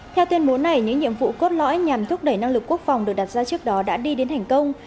theo tuyên bố này những nhiệm vụ cốt lõi nhằm thúc đẩy năng lực quốc phòng được đặt ra trước đó đã đi đến thành công